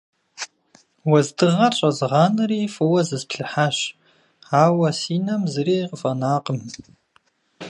Уэздыгъэр щӏэзгъанэри, фӏыуэ зысплъыхьащ, ауэ си нэм зыри къыфӏэнакъым.